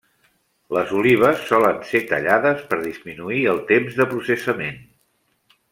Les olives solen ser tallades per disminuir el temps de processament.